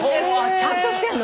ちゃんとしてんの？